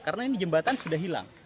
karena ini jembatan sudah hilang